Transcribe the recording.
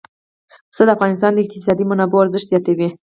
پسه د افغانستان د اقتصادي منابعو ارزښت زیاتوي.